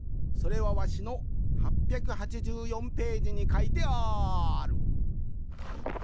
それはわしの８８４ページにかいてある。